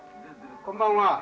こんばんは。